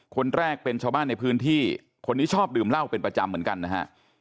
คนแรกเป็นชาวบ้านในพื้นที่คนนี้ชอบดื่มเหล้าเป็นประจำเหมือนกันนะฮะ